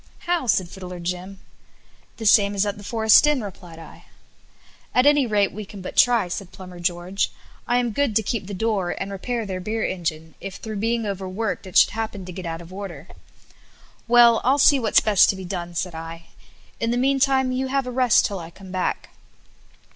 "How?" said Fiddler Jim. "The same as at the Forest Inn," replied I. "At any rate we can but try," said Plumber George; "I am good to keep the door and repair their beer engine, if through being overworked it should happen to get out of order." "Well, I'll see what's best to be done," said I; "in the meantime you have a rest till I come back."